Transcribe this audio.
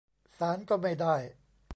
ศาลก็ไม่ได้